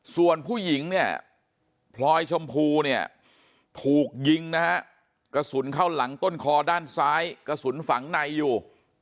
ส่วนผู้หญิงเนี่ยพลอยชมพูเนี่ยถูกยิงนะฮะกระสุนเข้าหลังต้นคอด้านซ้ายกระสุนฝังในอยู่